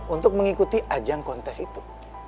untuk mengikuti ajang kontes itu